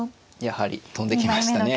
やはり跳んできましたね。